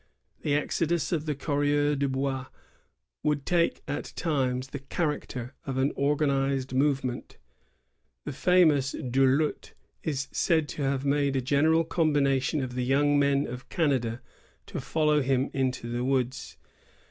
The exodus of the coureurs de hois would take, at times, the character of an organ ized movement. The famous Du Lhut is said to have made a general combination of the young men of Canada to follow him into the woods.